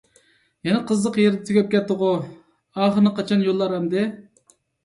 يەنە قىزىق يېرىدە تۈگەپ كەتتىغۇ؟ ئاخىرىنى قاچان يوللار ئەمدى؟